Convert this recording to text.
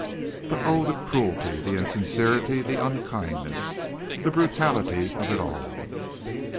But oh, the cruelty, the insincerity, the unkindness, the brutality of it all.